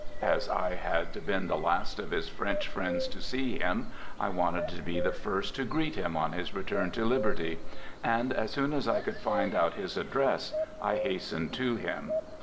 As I had been the last of his French friends to see him, I wanted to be the first to greet him on his return to liberty, and as soon as I could find out his address I hastened to him.